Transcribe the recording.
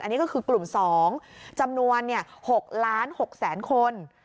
อันนี้ก็คือกลุ่ม๒จำนวน๖ล้าน๖๖๐๐๐คน